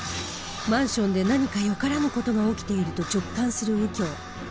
マンションで何かよからぬ事が起きていると直感する右京。